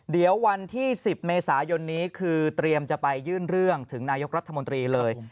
เดี๋ยววันที่๑๐เมษายนนี้คือเตรียมจะไปยื่นเรื่องถึงนายกรัฐมนตรีเลย